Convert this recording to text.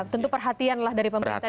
tentu perhatianlah dari pemerintah